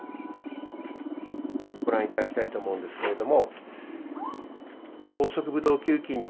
ご覧頂きたいと思うんですけれども。